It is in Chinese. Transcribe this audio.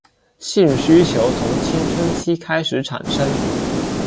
性需求从青春期开始产生。